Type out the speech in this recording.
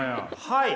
はい。